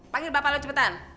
panggil bapak lo cepetan